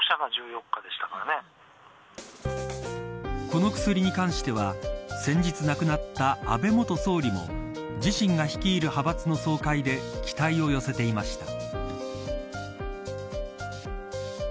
この薬に関しては先日亡くなった安倍元総理も自身が率いる派閥の総会で期待を寄せていました。